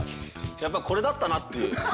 やっぱこれだったなっていう。